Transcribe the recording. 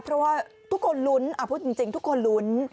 เพราะว่าทุกคนลุ้นพูดจริงทุกคนลุ้น